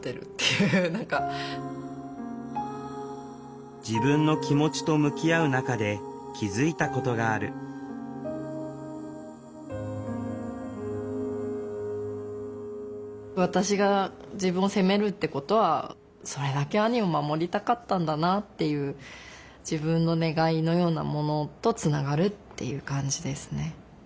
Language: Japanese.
本当にこう自分の気持ちと向き合う中で気付いたことがある私が自分を責めるってことはそれだけ兄を守りたかったんだなっていう自分の願いのようなものとつながるっていう感じですね。